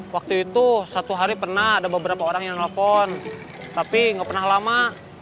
waktu itu satu hari pernah ada beberapa orang yang nelfon tapi nggak pernah lama